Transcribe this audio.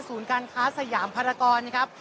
ศูนย์การค้าสยามพารกรณ์นะครับ